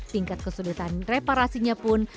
tingkat kesudutan reparasinya pun